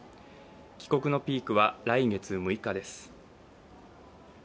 帰国のピークは来月６日です。